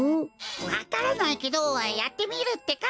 わからないけどやってみるってか！